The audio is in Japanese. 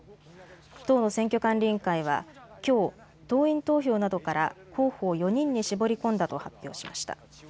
党の選挙管理委員会はきょう、党員投票などから候補を４人に絞り込んだと発表しました。